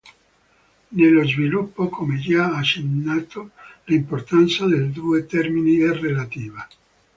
Nello Sviluppo come già accennato l'importanza dei due temi è relativa.